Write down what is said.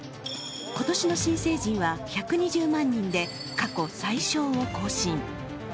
今年の新成人は１２０万人で、過去最少を更新。